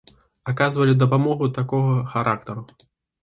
Аказвалі дапамогу такога характару.